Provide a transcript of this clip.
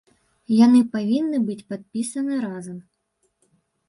Яны павінны быць падпісаны разам.